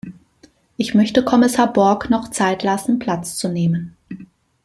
Ich möchte Kommissar Borg noch die Zeit lassen, Platz zu nehmen.